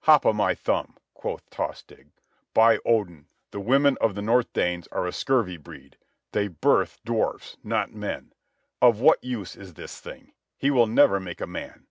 "Hop o' my thumb," quoth Tostig. "By Odin, the women of the North Danes are a scurvy breed. They birth dwarfs, not men. Of what use is this thing? He will never make a man.